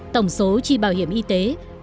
tổng số chi bảo hiểm y tế